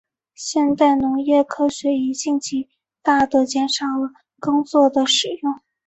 现代农业科学已经极大地减少了耕作的使用。